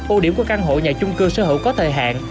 ưu điểm của căn hộ nhà chung cư sở hữu có thời hạn